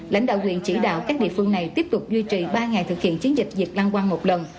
lãnh đạo huyện chỉ đạo các địa phương này tiếp tục duy trì ba ngày thực hiện chiến dịch dịch lăng quăng một lần